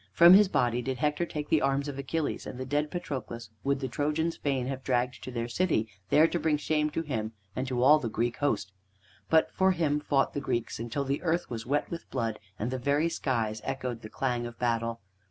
From his body did Hector take the arms of Achilles, and the dead Patroclus would the Trojans fain have dragged to their city, there to bring shame to him and to all the Greek host. But for him fought the Greeks, until the earth was wet with blood and the very skies echoed the clang of battle.